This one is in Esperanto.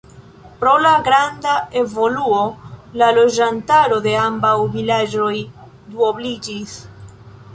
Pro la granda evoluo la loĝantaro de ambaŭ vilaĝoj duobliĝis.